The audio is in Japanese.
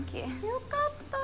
良かった。